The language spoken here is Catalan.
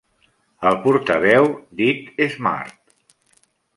El portaveu d'Eat Smart.